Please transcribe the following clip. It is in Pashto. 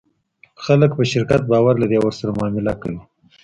خلک په شرکت باور لري او ورسره معامله کوي.